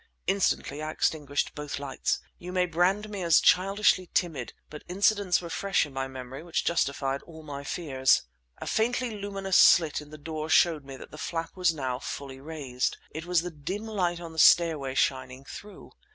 Instantly I extinguished both lights. You may brand me as childishly timid, but incidents were fresh in my memory which justified all my fears. A faintly luminous slit in the door showed me that the flap was now fully raised. It was the dim light on the stairway shining through.